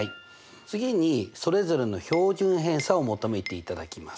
次にそれぞれの標準偏差を求めていただきます。